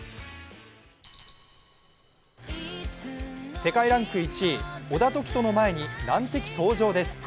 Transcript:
世界ランク１位・小田凱人の前に難敵登場です。